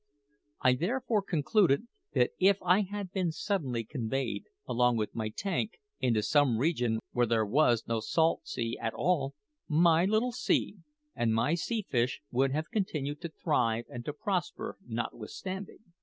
I therefore concluded that if I had been suddenly conveyed, along with my tank, into some region where there was no salt sea at all, my little sea and my sea fish would have continued to thrive and to prosper notwithstanding.